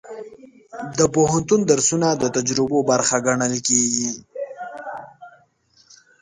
د پوهنتون درسونه د تجربو برخه ګڼل کېږي.